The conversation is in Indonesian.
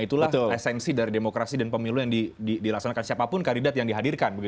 itulah esensi dari demokrasi dan pemilu yang dilaksanakan siapapun kandidat yang dihadirkan